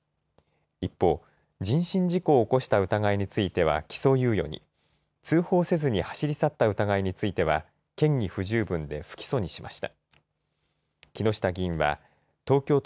一方、人身事故を起こした疑いについては起訴猶予に、通報せずに走り去った疑いについては、嫌疑不十分で不起訴にしました。